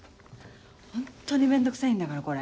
ホントに面倒くさいんだからこれ。